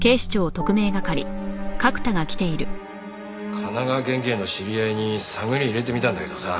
神奈川県警の知り合いに探り入れてみたんだけどさ